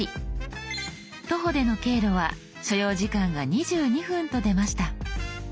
徒歩での経路は所要時間が２２分と出ました。